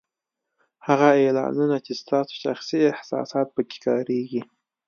هغه اعلانونه چې ستاسو شخصي احساسات په کې کارېږي